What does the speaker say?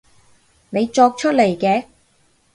你作出嚟嘅